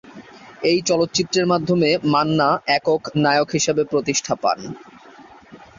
এই চলচ্চিত্রের মাধ্যমে মান্না একক নায়ক হিসেবে প্রতিষ্ঠা পান।